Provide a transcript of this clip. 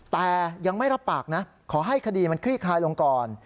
แต่ยังไม่รับปากนะขอให้คดีมันคลี่คลายลงก่อน